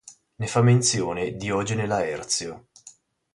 Ne fa menzione Diogene Laerzio.